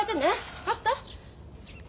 分かった？